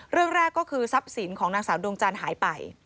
เรื่องแรกก็คือทรัพย์สินของนางสาวดวงจันทร์หายไป